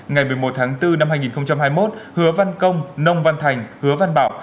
ngày một mươi một tháng bốn năm hai nghìn hai mươi một hứa văn công nông văn thành hứa văn bảo